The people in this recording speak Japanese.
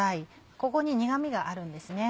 ここに苦味があるんですね。